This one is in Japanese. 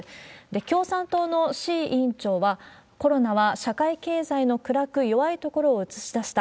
共産党の志位委員長は、コロナは社会経済の暗く弱いところを映し出した。